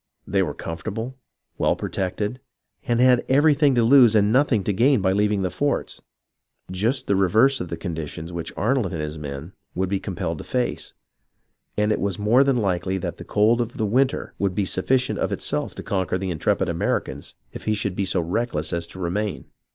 They were comfortable, well protected. 8o HISTORY OF THE AMERICAN REVOLUTION and had everything to lose and nothing to gain by leaving the forts, just the reverse of the conditions which Arnold and his men would be compelled to face ; and it was more than likely that the cold of the winter would be sufficient of itself to conquer the intrepid American if he should be so reckless as to remain.